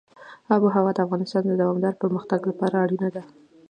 آب وهوا د افغانستان د دوامداره پرمختګ لپاره اړینه ده.